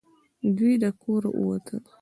دوی د کوره ووتل .